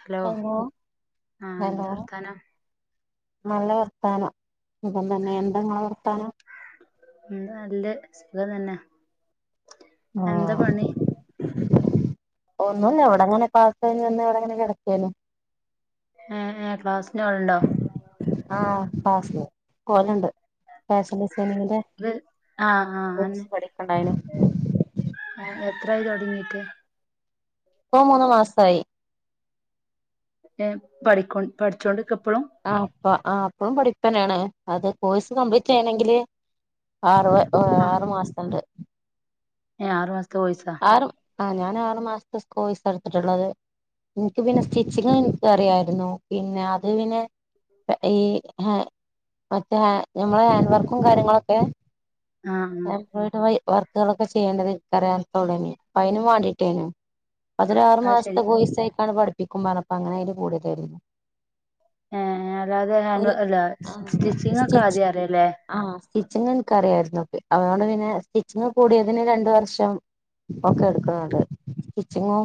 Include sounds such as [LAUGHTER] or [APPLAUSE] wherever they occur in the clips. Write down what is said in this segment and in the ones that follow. Hello ആ hello എന്താവർത്താനം നല്ല വർത്താനം സുഖം തന്നെ എന്തങ്ങളെ വർത്താനം ഉം നല്ലെ സുഖം തന്നെ എന്താ ആഹ് പണി ഒന്നുല്ല ഇവിടങ്ങനെ ക്‌ളാസുകഴിഞ്ഞുവന്ന് ഇവിടങ്ങനെ കിടക്കേന്നു അ അ ക്ലാസിനോൽണ്ടോ ആ ആ ക്‌ളാസില് പോവല്ണ്ട് ഫാഷൻ ഡിസൈനിങ്ങിന്റെ ഇത് ആഹ് ആഹ് അന്നെ കോഴ്സ് പഠിക്ക്ണ്ടായിനു ത്രായി തുടങ്ങീട്ട് ഇപ്പോ മൂന്നു മാസായി ഏ പഠിക്കൊ പഠിച്ചോണ്ടിക്ക ഇപ്പളും ആ പ്പ ആ പ്പളും പഠിപ്പന്നേണ് അത് കോഴ്സ് കംപ്ലീറ്റ് ചെയ്യണെങ്കില് ആറ് വ് ആഹ് ആറു മാസണ്ട് ഏ ആറുമാസോ തോഴ്സാ ആ ഞാൻ ആറ് മാസത്തെ സ്കോഴ്സാ ട്ത്തിട്ടുള്ളത് എനിക്ക് പിന്നെ സ്റ്റിച്ചിങ് അറിയായിരുന്നു പിന്നെ അത് പിന്നെ ഈ മറ്റേ ഹാ നമ്മളെ ഹാൻവർക്കും കാര്യങ്ങളൊക്കെ ആഹ് [UNINTELLIGIBLE] ആഹ് വർക്കുകളൊക്കെ ചെയ്യേണ്ടത് ത്രയാ തുടങ്ങി അയ്നും മാണ്ടീട്ടേനു അത് ശരി അതൊരാറുമാസത്തെ കൊയ്സയിട്ടാണ് പഠി പ്പിക്കും പറഞ്ഞപ്പ അങ്ങനെ അയ്ല് കൂടിയതേര്ന്നു ഏ അല്ലാതെ ഹാൻഡ് വ അല്ല ആഹ് സ്റ്റിച്ചിങ് ഒക്കെ സ്റ്റിച്ച് ആദ്യം അറിയലേ ആഹ് സ്റ്റിച്ചിങ് ൻക്കറിയായിര്ന്നു പി അതോണ്ട് പിന്നെ സ്റ്റിച്ചിങ്ങ് കൂടിയതിന് രണ്ട് വർഷം ഒക്കെ എടുക്ക അതെ സ്റ്റിച്ചിങ്ങും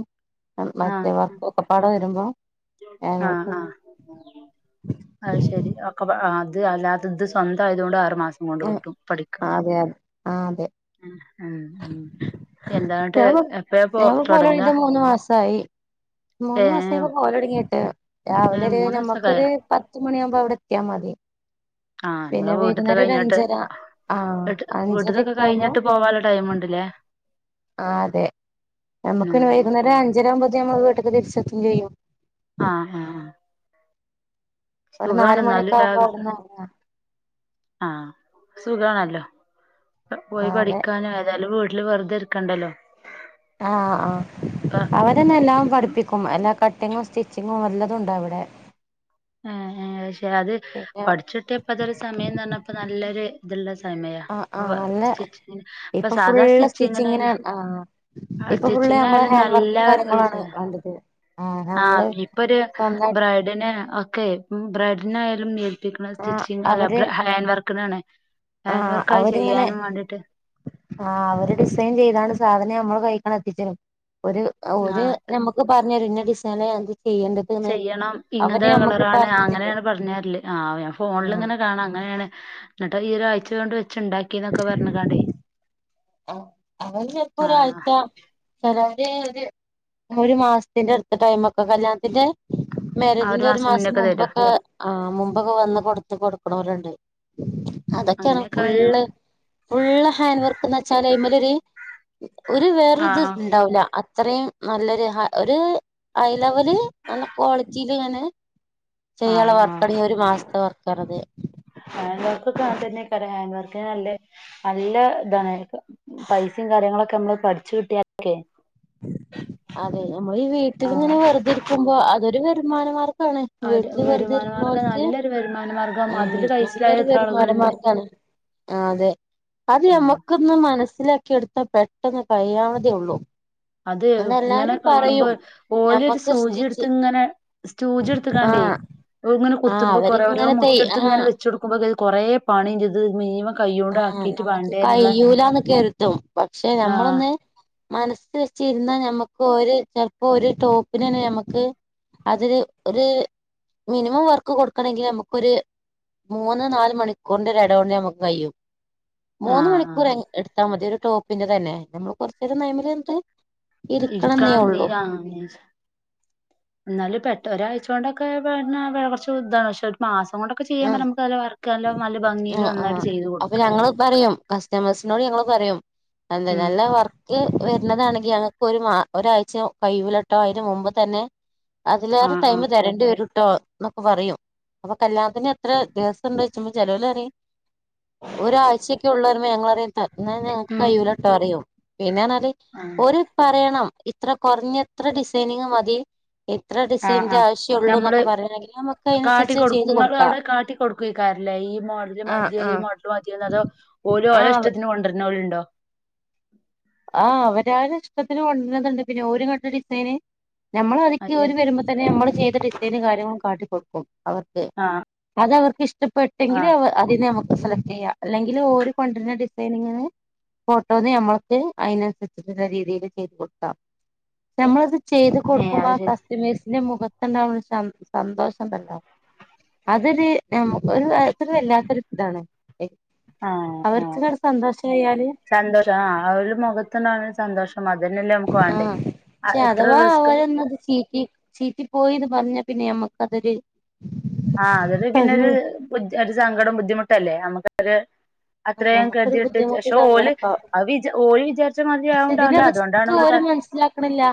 ആ മറ്റേ വർക്കും ഒക്കെപ്പാടെ വരുമ്പോ ആഹ് ആ ആ ആ അത്ശരി ഒക്കെപാ ആ ത് അല്ലാത്തത് സ്വന്തം ആയതുകൊണ്ട് ആറുമാ ണ്ട് കിട്ടും പഠിക്ക അതെ അതെ ആഹ് അതെ ഉം എന്താട്ട് എപ്പഴാ പോ ഞാനിപ്പോ തൊടങ്ങ പോവലൊടങ്ങീട്ട് [UNINTELLIGIBLE] മൂന്ന് മാസത്തേക്ക് പോവലൊടങ്ങിയിട്ട് രാവിലെ ഏ ഒരു മൂന്നാസൊക്കായോ ഞമ്മക്കൊരു പത്തു മണിയാവുമ്പോ അവിടെ എത്തിയാ മതി ആ നമ്മള പിന്നെ വീട്ടത്തെ വൈകുന്നേരം ഒരു കഴിഞ്ഞിട്ട്, അഞ്ചര ആഹ് വീട്ട് വീട്ടത്തൊക്കെ അഞ്ചരൊക്കെ കഴിഞ്ഞിട്ട് പോവാനെള്ള ടൈമെണ്ടല്ലേ? ആ അതെ നമുക്ക്ന്നെ ആഹ് വൈകുന്നേരം അഞ്ചര ആകുമ്പോ ഞമ്മള് വീട്ടക്ക്‌ തിരിച്ചെത്തേം ചെയ്യും ആ ആ ഒരു നാല് മണിയൊക്കെ ആവുമ്പോ രാവി അവിടുന്നെർങ്ങാം. ആഹ് സുഖാണല്ലോ. പോയി ആഹ് അതെ പഠിക്കാന ഏതായാലും വീ ട്ടില് വെറുതെരിക്കണ്ടല്ലോ ആ ആ അവരന്നെ എല്ലാം പഠിപ്പിക്കും എല്ലാം കട്ട് കട്ടിങ്ങോ സ്റ്റിച്ചിങ്ങോ വല്ലതുണ്ടോ അവിടെ ഏ ഏ പക്ഷെ അത് പിന്നെ പഠിച്ചിട്ടിയിപ്പ അതൊരു സമയം എന്ന് പറഞ്ഞപ്പ നല്ലൊരു [UNINTELLIGIBLE] ആ ആ വ നല്ല സ്റ്റിച്ചിങ്ങിന് ഇപ്പൊ സാധാ ഫുള്ള് സ്റ്റിച്ചിങ്ങിനല്ല സ്റ്റിച്ചിങ്ങിനാണ് ആ ഇപ്പൊ ഫുള്ള് നമ്മള് സ്റ്റിച്ചിങ്ങിനായാലും ഹാൻഡ് വർക്കും കാര്യങ്ങളാണ് വേണ്ടത് ആഹ് ആ നമ്മള് ഇപ്പൊരു സ്വന്തായി ബ്രൈഡിനെ ഓക്കെ ബ്രെഡിനായാലും മൈ [UNINTELLIGIBLE] ക്ക ആഹ് സ്റ്റിച്ചിങ് അല്ല ഹാൻഡ് വർക്ക് ആണ് ആ അവരിങ്ങനെ ആ അവര് ഡിസൈൻ ചെയ്താണ് സാധന നമ്മൾ കഴിക്കണം എത്തിച്ചരും ഒര് ഒര് ആഹ് നമ്മക്ക് പറ അങ്ങനെതെ [UNINTELLIGIBLE] ചെയ്യണം ഇങ്ങനത്തെ കളറാണ് പറഞ്ഞു തരും അങ്ങനെയാണ് പറഞ്ഞരല് ആ ഞാൻ ഫോണിൽ ഇങ്ങനെ കാണാം അങ്ങനെയാണ് എന്നിട്ട് ഈ ഒരാഴ്ചകൊണ്ട് വെ വചുണ്ടാക്കിന്നൊക്കെ പറഞ്ഞ കാണ്ടേ ആ ആവും ചെൽപ്പൊ ആഹ് ഒരാഴ്ച തരാൻ അതെ ഒരു മാസത്തിന്റെ അടുത്ത ടൈം ഒക്കെ കല്യാണത്തിന്റെ ആ ആ മാരേജിന്റെ ഒരു മാസം മുന്നൊക്കെ തരും മുമ്പൊക്കെ ആ മുമ്പൊക്കെ വന്ന് കൊടുത്ത കൊടു ക്കണോരെണ്ട്. അതൊക്കെയാണ് അങ്ങനെയൊക്കെ ആയാ ഫുള്ള് ഫുള്ള് ഹാൻഡ് വർ എന്നൊച്ചാല് അയിമ്മേലൊര് ഒരു വേറ ഇത് ആഹ് ഉണ്ടാവുല അ അത്രയും നല്ലൊരു ഹ ഒരു ഹൈ ലെവല് നല്ല ക്വാളിറ്റിയില് ഇങ്ങനെ ചെയ്യാനുള്ള ആഹ് ആഹ് വർക്കാണ്. ഒരു മാസത്തെ വർക്ക്ണ്ട് [UNINTELLIGIBLE] ഹാൻഡ് വർക്ക് നല്ലെ നല്ല ഇതാണ് പൈസിം കാര്യങ്ങളൊക്കെ നമ്മള് പഠിച്ചു കിട്ടിയലൊക്കെ അതെ നമ്മള് ഈ ആഹ് വീട്ടിലിങ്ങനെ വെറുതെ ഇരിക്കുമ്പോ അതൊരു വരു മാനമാർകം കാണ് ഒരു വീട്ടില് വെറുതെ വരുമാന മാർഗം ഇരിക്ക്ണോൽക്ക്. നല്ലൊരു വരുമാന മാർഗം മ് അതില് കൈസലായ നല്ലൊരു എത്ര വരുമാന ആളുകളുണ്ട് മാർഗാണ്. അതെ അത് നമ്മക്കൊന്ന് മനസ്സിലാ ക്കി എടുത്താ പെട്ടെന്ന്കഴിയാവുന്നതേ ഉള്ളൂ. അത് ഇങ്ങനെ എല്ലാരും കാണുമ്പോ പറയും ഓലൊരു ഞമ്മക്ക് സൂചിയെടുത്ത് സ്റ്റിച്ച് ഇങ്ങനെ സൂചി എടുത്ത്കാണ്ടേ ആഹ് ഇങ്ങനെ ആഹ് കുത്തുമ്പോ കൊറെ ഓരോ അവരിങ്ങനെ തെയ് മുത്ത് എടുത്ത് ഇങ്ങനെ ആഹ് വെച്ച് കൊടുക്കുമ്പോൾ കൊറേ പണിയിണ്ട്. [INAUDIBLE] ആ നമ്മുക്ക് കയൂലന്ന് കരുതും, പക്ഷെ ആഹ് നമ്മളൊന്ന് മനസ്സ് വെച്ചിരുന്നാ നമുക്ക് ഒരു ചിലപ്പോ ഒരു ടോപ്പിന് തന്നെ നമുക്ക്, അതില് ഒരു മിനിമം വർക്ക് കൊടുക്കണങ്കിൽ നമുക്കൊരു മൂന്ന് നാല് മണിക്കൂറിന്റെ ഒരു എട കൊണ്ടെ നമുക്ക് കഴിയു മൂന്ന് ആഹ് മണിക്കൂർ എൻ ആഹ് എടുത്താൽ മതി ഒരു ടോപ്പിന്റെ തന്നെ, നമ്മൾ കുറച്ചിസം [UNINTELLIGIBLE] ഇരിക്കണം നീ ആ [UNINTELLIGIBLE] എന്നാലും പെ ന്ന് ഒരാഴ്ച കൊണ്ടൊക്കെ [UNINTELLIGIBLE] കുറച്ചുതാണ്. പക്ഷെ ഒരു മാസം കൊണ്ടൊക്കെ ചെയ്യാൻ പറഞ്ഞ മ് നമുക്ക് നല്ല വർക്ക് നല്ല നല്ല ഭംഗിയില് ആഹ് ആ നന്നായിട്ട് ചെയ്ത് അപ്പൊ കൊടുക്കാം ഞങ്ങള് പറയും, കസ്റ്റമേഴ്സിനോട് ഞങ്ങള് പറയും അതെ ഉം നല്ല വർക്ക് വരുന്നതാണങ്കി ഇ ഞങ്ങൾക്കൊരു മാ, ഒരാഴ്ച കൈയ്യൂലട്ടോ അതിന് മുമ്പ് തന്നെ അതിലേറെ ആഹ് ആഹ് ടൈമ് തരേണ്ടി വരു ട്ടോ എന്നൊക്കെ പറയും, അപ്പൊ കല്യാ ത്തിന് എത്ര ദിവസം ഉണ്ട് ചോചുമ്പോ ചെലോല് പറിം, ഒരാഴ്ചൊക്കെ ഉള്ളൂ പറയുമ്പോ ഞങ്ങള് പറിം ത എന്നാ ഞങ്ങക്ക് ഉം കയ്യൂലട്ടോ എന്നു പറയും. പിന്നെ പറഞ്ഞാല്, ആഹ് ഓല് പറയണം ഇത്ര കുറഞ്ഞ ഇത്ര ഡിസൈനിങ്ങ് മതി ഇത്ര ആഹ് ഡിസൈന്റെ ആഹ് ആവശ്യള്ളൂ, നമ്മള് എന്നൊക്കെ പറയണെങ്കിൽ, നമുക്ക് അതിനനുസരിച്ച് ചെയ്ത് കൊടു നിങ്ങളവിടെ കാട്ടി കൊടുക്കെക്കാരം ലെ ഈ മോഡല് ആഹ് മതിയോ, ഈ ആഹ് മോഡല് മതിയോ എന്ന്, അതോ ഓര്, ഓരെ ആഹ് ഇഷ്ട്ടത്തിന് കൊണ്ടൊരുനൊലും ഇണ്ടോ? [INAUDIBLE] ആ അവരവരടെ ഇഷ്ടത്തിന് കൊണ്ടുവരുന്നണ്ട്, പിന്നെ ഒരു ഇങ്ങട്ട് ഡിസൈന് നമ്മൾ അതിക്ക് അയ്യേ ഓര് വരുമ്പോ തന്നെ നമ്മള് ചെയ്ത ഡിസൈനും, കാര്യങ്ങളും കാട്ടി കൊട്ക്കും അവർക്ക്. ആഹ് അതവർക്ക് ഇഷ് ഇഷ്ടപ്പെട്ടെങ്കില് ആഹ് അതിനെ നമുക്ക് സെലക്ട് ചെയ്യാം, അല്ലെങ്കിൽ ഓര് കൊണ്ടരുന്ന ഡിസൈനിങ്ങിന് ഫോട്ടോന്ന് നമ്മൾ അതിനനുസരിച്ചിട്ടുള്ള രീതിയിൽ ചെയ്ത് കൊടുക്കാം ചെയ്ത് ഏഹ് കൊടുക്കുമ്പോ അത് ശരി കസ്റ്റമേഴ്സ് ന്റെ മുഖത്തുണ്ടാവുന്ന ഒരു സന്തോഷം ഉണ്ടല്ലാ, അതൊരു നമുക്ക് ഒരു വല്ലാത്ത ഒരു ഇതാണ്, ആഹ് ആഹ് അവർക്കടെ സന്തോഷം ആയാല് സന്തോഷം ആഹ് അവരുടെ മുഖത്തന്നാണ് ഒരു സന്തോഷം അതന്നെല്ലേ നമുക്ക് ആ വാണ്ടേ പക്ഷെ ആഹ് എത്ര അഥവാ റിസ്ക് അവരന്നത് ചീറ്റി ചീറ്റി പോയിന്ന് പറഞ്ഞ പിന്നെ നമ്മുക്ക അതൊരു അതൊരു പിന്നൊരു ഒജ്ജാദി സങ്കടം ബുദ്ധിമുട്ട് ല്ലേ നമുക്കൊരു ആഹ് അത്രയും നമുക്കൊരു കേതിട്ട് ച് ബുദ്ധിമുട്ട് ഷെ ഓല് സങ്കടപ്പാവും അത് വിചാര് ഓല് വിചാരിച്ച പക്ഷെ ഇതിന്റെ മാതിരിയാവുണ്ടാവില്ല അതുകൊണ്ടാണ് റിസ്ക് അവര് ഓര് പറയ് മനസ്സിലാക്കണില്ല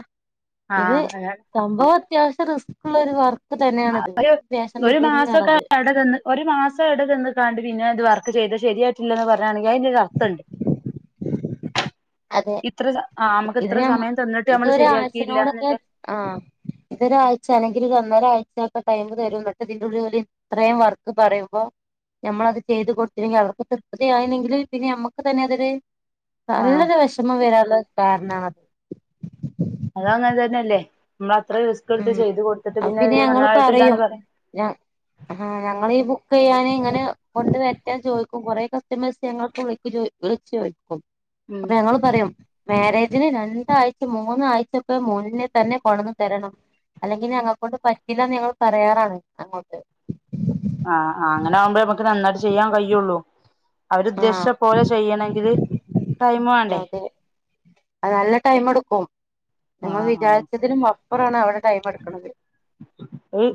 ആ ഇത് അതെ സംഭവം അത്യാവശ്യം റിസ്കുള്ള ഒരു വർക്ക് ആ തന്നെയാണിത് ഫാഷൻ ഒരു ഡിസൈനിങ് മാസൊക്കെ പറഞ്ഞത് വടെന്ന് ഒരു മാസം അവിടെ ന്ന് കാണ്ട് പിന്നെ ഒരു വർ ർക്‌ ചെയ്തത് ശരിയായിട്ടില്ല ന്ന് പർ താണെങ്കി അതിനൊരർത്ഥൻട് അതെ ആ നമുക്ക് ഇത് ഇത്ര ഞ സമയം തന്നിട്ട് നമ്മള് ശരിയാക്കിയില്ല ഇതൊരാഴ്ചനോടൊക്കെ എന്നില്ല ആ ഇതൊരാഴ്ച അല്ലെങ്കിൽ ഒന്നരാഴ് ടൈ് തരും എന്നട്ടെ ഇതിന്റെള്ള ഇത്രയും വർക്ക് പറയുമ്പോ നമ്മളത് ചെയ്ത് കൊടുത്തിരെങ്കിൽ അവർക്ക് തൃപ്തി ആയില്ലെങ്കിൽ പിന്നെ നമ്മുക്ക് തന്നെ അതൊരു ആ നല്ലൊരു വിഷമം വരുള്ള കാരണണത് അത് അങ്ങൻ തന്നെല്ലേ മ്മ ഉം അത് പിന്നെ ഞങ്ങൾ പറയും ഞ ഞങ്ങളീ ബുക്ക് ഞാൻ ഇങ്ങനെ കൊണ്ട് വരട്ടെ ന്ന് ചോദിക്കും കുറെേ കസ്റ്റമേഴ്സ് ഞൾക്ക് വിളിച് വിളിച്ചു ചോയിക്കും ഉം അപ്പൊ ഞങ്ങള് പറയും മാരേജിന് രണ്ടാഴ്ച മൂന്നാഴ്ചക്കെ മുന്നേ തന്നെ കൊടന്നു തരണം അല്ലെങ്കിൽഞങ്ങളെക്കൊണ്ട് പറ്റില്ലന്ന് ഞങ്ങൾ പറയാറാണ് അങ്ങോട്ട് ആഹ് അങ്ങനെ ആകുമ്പോേ നമുക്ക് നന്നായിട്ട് ചെയ്യാൻ കഴിയുള്ളു അവരു ആഹ് ഉദ്ദേശിച്ച പോലെ ചെയ്യണെങ്കില് ടൈം വേണ്ടേ അതെ അത് നല്ല ടൈം എടുക്കും ഞമ്മൾ ആഹ് ആഹ് വിചാരിച്ചതിനും അപ്പുറാണ് അവരെ ടൈം എടുക്കണത് ഒരു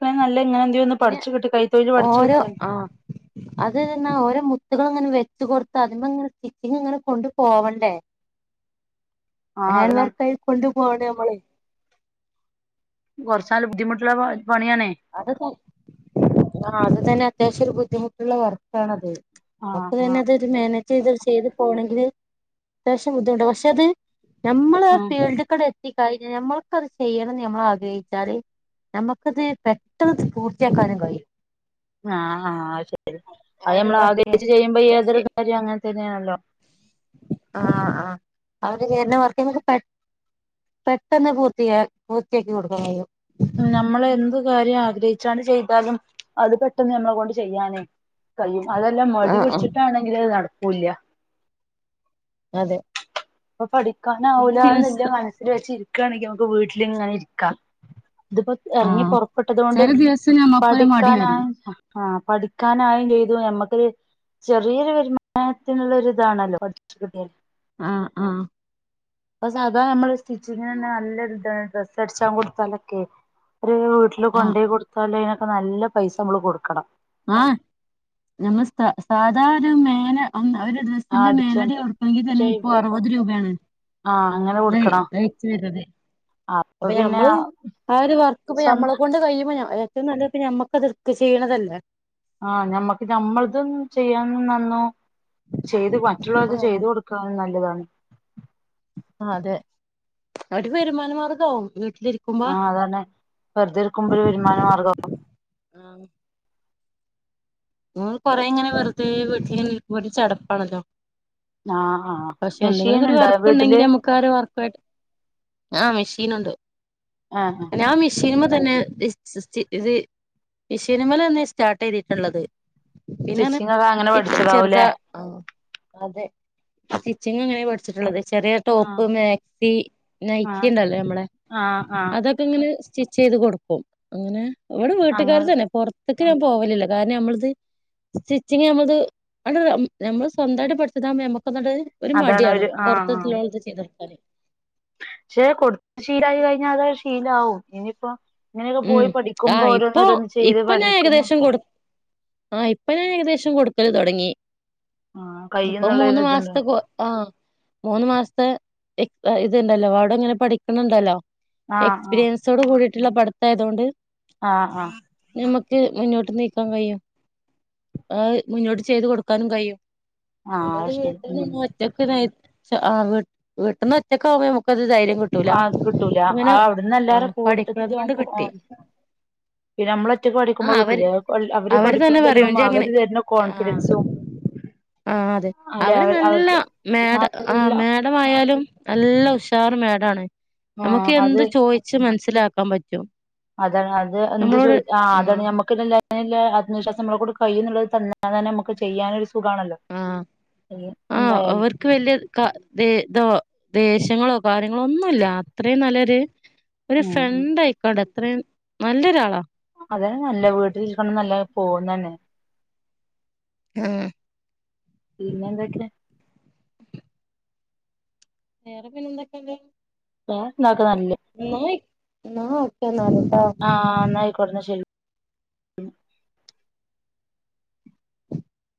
അ നല്ല ഇങ്ങനെ എന്തെലും ഒന്ന് പിന്നെ പഠിച്ചു കിട്ടി കൈത്തൊഴില് പഠിച്ചു ഓരോ കിട്ടിയാ ആ അത്പിന്നെ ഓരോ മുത് പിന്നെന്നെങ്കിൽ നെറ്റ് കൊളുത്താ അതിങ്ങനെ സ്റ്റിച്ചിങ് ഇങ്ങനെ കൊണ്ട് പോവണ്ടേ ആഹ് ഹാൻ അതന്നെ വർക്ക് ആയി കൊണ്ടു പോയാലോ പൊളി ലബാൻ [UNINTELLIGIBLE] അത് ത ആ അത് തന്നെ അത്യാവശ്യ ഒരു ബു ദ്ധിമുട്ടുള്ള വർക്കാണത്. അപ്പൊ ആഹ് അതെന്നെ ആഹ് ത് മേനേ ചെയ്ത് ചെയ്ത് പോകണെങ്കില് അത്യാവശ്യം ബുദ്ധിമുട്ടാ പക്ഷെ അത് നമ്മളാ ഫീൽഡ്ക്കാടെ ത്തി കഴിഞ്ഞ ഞമ്മൾക്കത് ചെയ്യണംന്ന് ഞമ്മൾ ആഗ്രഹിച്ചാല് നമ്മക്കത് പെട്ടെന്ന് പൂർത്തിയാക്കാനും കഴിയും. ആഹ് ആഹ് ശെരി ആ അത് ഒരു നമ്മൾ വർക്ക് ആഗ്രഹിച്ച് ചെയ്യുമ്പോ ഏതൊരു കാര്യം അങ്ങനെ തന്നെയാണല്ലോ. ആ ആ അവര് ചെയ്യണ വർക്ക് മ്മക്ക് പെ പെട്ടെന്ന് പൂർത്തിയാ പൂർത്തിയാക്കി കൊടുക്കാൻ കയോ. നമ്മള് എന്ത് കാര്യം ആഗ്രഹിച്ചാണ്ട് ചെയ്താലും അത് പെട്ടെന്ന് ഞമ്മളെ കൊണ്ട് ചെയ്യാനേ കൈയും അതെല്ലാം മടി ആഹ് ആഹ് പിടിച്ചിട്ടാണെങ്കിൽ അത് നട കൂല്ല അതെ വ ഫടി കാണം ചില അവുല ന്റെ ദിവസം മനസ്സിൽ വെച്ചിരിക് ക്കണെങ്കി മ്മ്ക്ക് വീട്ടില് ഇങ്ങനെ ഇരിക്കാം അതിപ്പോ ഇറങ്ങി ആഹ് പുറപ്പെട്ടത് കൊണ്ട് ചില ദിവസം നമ്മുക്കൊരു മടി പഠിക്കാന വരും ആ ആഹ് പഠിക്കാനായും ചെയ്തു മ്മക്കൊരു ചെറിയൊരു വരുമാനത്തിനുള്ള ഇതാണല്ലോ പഠിച്ച് കി [UNINTELLIGIBLE] ആഹ് ആഹ് അ സാധാ മ്മള് സ്റ്റിച്ചിങ്ങിന് തന്നെ നല്ലൊരു ഇതാണ് ഡ്രസ്സ് അടിച്ചാങ്ങ് കൊടുത്താലൊക്കെ ഒരു വീട്ടില് ആഹ് കൊണ്ടോയി കൊടുത്താല് അപ്പ നല്ല പൈസ മ്മള് കൊടുക്കണം ആഹ് നമ്മ സ്ഥ സാധാ ഒരു മേലെ ഒന്ന് ആ ഒരു ഡ്രസ്സിന്റെ അടിച്ച മേലടി കൊടുക്കണെ തന്നെ ഇപ്പോ അറുപത് രൂപയാണ് ആഹ് അങ്ങനെ കൊടുക്കണം [UNINTELLIGIBLE] അപ്പൊ ഞമ്മള് ആ ഒരു വർക്ക് ഞമ്മളെ സ്വന്തം കൊണ്ട് കഴിയുമ്പോ അ ഏറ്റവും നല്ലത്പ്പ ഞമ്മക്കത്ട്ത് ചെയ്യണതല്ലേ ആഹ് ഞമ്മക്ക് നമ്മളതും ചെയ്യാൻ നന്നു ചെയ്ത് മറ്റുള്ളവർക്ക്‌ ചെയ്ത് ആഹ് കൊടുക്ക നല്ലതാണ് ആ അതെ [UNINTELLIGIBLE] വരുമാനമാർഗാവും ഇ ആഹ് അതാണ്. വെറുതെ ഇര്ക്കുമ്പ ഒര് വരുമാനമാർഗ്ഗമാവും. [UNINTELLIGIBLE] കൊറെ ഇങ്ങനെ വെറുതേ വീട്ട്ല് [UNINTELLIGIBLE] ഒരു ചടപ്പാണല്ലോ ആഹ് ആഹ് പക്ഷെ മെഷീൻ എന്തെങ്കിലൊരു ഉണ്ടോ വർക്ക് വീട്ടില് ഉണ്ടെങ്കിൽ നമുക്കാ ഒരു വർ. [UNINTELLIGIBLE] ആഹ് മെഷീനുണ്ട്. ആഹ് ഞാൻ മിഷീന്മ തന്നെ ഇസ് സിസ്റ്റ് ഇത് മിഷീൻമലന്നെ സ്റ്റാർട്ട് ചെയ്തിട്ടുള്ളത് പിന്നെയാണ് സ്റ്റിച്ചിങ്ങൊക്കെ അങ്ങനെ ഇട്ട് പഠിച്ചതാവൂലേ? ചെറുതാ ആ അതെ സ്റ്റിച്ചിങ് അങ്ങനെ പഠിച്ചിട്ടുള്ളത്. ചെറിയ ടോപ്പ്, ആഹ് മാക്സി, ആഹ് നയിറ്റിണ്ടല്ലോ നമ്മളെ ആഹ് ആഹ് അതൊക്കെ ഇങ്ങനെ സ് സ്റ്റിച്ച് ചെയ്ത് കൊടുക്കും. അങ്ങനെ ഇവിടെ അങ്ങനെ വീട്ടുകാര്തന്നെ പൊർ ത്ത്ക്ക് ഞാൻ പോവലില്ല. കാരണം നമ്മളത് സ്റ്റിച്ചിങ് നമ്മളത് അണ്ട് ഞമ്മള് സ്വന്തായിട്ട് പഠിച്ചതാകുമ്പ ഞമ്മ ക്കൊന്നാണ്ട് ഒരു അതാണ് മടിയാണ്. ഒരു പൊറത്ത്ക്ക്ല്ലോൽത് ചെയ്തൊട്ക്കാന് ശെ കൊടുത്ത് ശീലായി കഴിഞ്ഞാ അതൊര് ശീലാവും ഇനിയിപ്പോ ഇങ്ങനെയൊക്കെ ഉം പോയി പഠിക്കുമ്പോ ആഹ് ഒരോന്ന് ഇപ്പൊ ഒരോന്ന് ചെയ്ത് ഇപ്പൊ ഞാൻ പഠിക്കുന്നു. ഏകദേശം കൊടു ആഹ് ഇപ്പൊ ഞാൻ ഏകദേശം കൊടുക്കല് തൊടങ്ങി. ആ ഇപ്പൊ മൂന്ന് കയ്യുന്നുള്ളൊരു മാസത്തെ ഇതുണ്ടാവും കോ ആഹ് മൂന്ന് മാസത്തെ ഇ ഇത്ണ്ടല്ലോ വാടങ്ങനെ പഠിക്ക്ണ് ണ്ടല്ലോ. ആഹ് എക്സ്പീരിയൻസോട് കൂടിയിട്ട്ള്ള പഠ് അതായതോണ്ട് ആഹ് ആഹ് ആഹ് ഞമ്മക്ക് മുന്നോ ട്ട് നീക്കാൻ കഴിയും ആ മുന്നോട്ട് ചെയ്ത് കൊടുക്കാനും കഴിയും. [UNINTELLIGIBLE] ആഹ് അത് ശരി വീട്ട്ന്ന് ഉം ഇന്നെ ഒറ്റക്ക് [UNINTELLIGIBLE] ച്ച ആഹ് വീട്ട് വീട്ട്ന്ന് ഒറ്റക്ക് ആവുമ്പോ ഞമ്മക്ക അത് കിട്ടൂല അത് അവിടുന്ന് എല്ലാരെ കൂട്ടത്തിലു ആവുമ്പോ ട്ടി ആ പഠിക്കുമ്പോ അവര് കിട്ടൂലേ അവര് തന്നെ പറയും പഠിപ്പിക്കലും ഇജ്ജ് എങ്ങനെ അവര് തരുന്ന ആ കോൺഫിഡൻസും ആ അതെ അല്ലെ അവര് അവ നല്ല അവർക്ക് മേഡം ആ നല്ല മേഡം ആയാലും നല്ല ഉഷാർ മേഡാണ്. ആ നമുക്ക് അത് എന്ത് ചോയ്ച്ച് മൻസ് ലാക്കാൻ പറ്റും. അതാണ് അത് എന്ത് നമ്മളോട് ചോയി ആ അതാണ് ആഹ് നമ്മക്ക് [UNINTELLIGIBLE] ല്ലേ ആത്മവിശ്വാസം നമ്മളെ കൊണ്ട് കഴിയുന്നുള്ളത് തന്ന തന്നെ നമ്മക്ക് ചെയ്യാനൊര് സ് ആ ആ എന്തായാലും അവർക്ക് വല്യ ക ദേ ദോ ദേശ്യങ്ങളോ കാര്യങ്ങളൊന്നുല്ല അത്രയും നല്ലെര് ഒരു ഉം ഉം ഫ്രണ്ട് ആയിക്കോട്ടെ അത്രേം നല്ലൊരാളാ അതെ നല്ല വീട്ടിൽ [UNINTELLIGIBLE] നല്ല പോന്നനെ മ്മ് പിന്നെ എന്തൊക്കെ വേറെ പിന്നെന്തൊക്കെയുണ്ട് വേറെ ക്ലാസ്സ്‌ നന്നായി ന്നാ ഓക്കെ നാ ആഹ് എന്നായികോട്ടെന്ന ശെരി ഉം